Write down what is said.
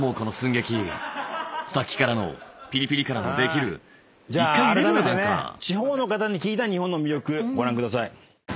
さっきからのピリピリからの「できる」あらためてね地方の方に聞いた日本の魅力ご覧ください。